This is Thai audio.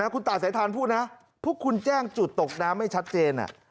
คุณตายสายทานพูดนะพวกคุณแจ้งจุดตกน้ำไม่ชัดเจน